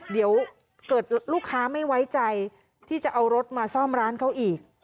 เดี๋ยวเกิดลูกค้าไม่ไว้ใจที่จะเอารถมาซ่อมร้านเขาอีก